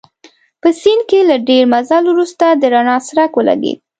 په سیند کې له ډېر مزل وروسته د رڼا څرک ولګېد.